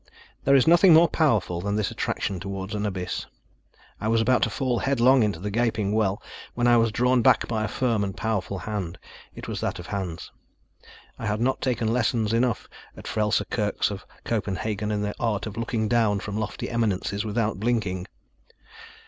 There is nothing more powerful than this attraction towards an abyss. I was about to fall headlong into the gaping well, when I was drawn back by a firm and powerful hand. It was that of Hans. I had not taken lessons enough at the Frelser's Kirk of Copenhagen in the art of looking down from lofty eminences without blinking!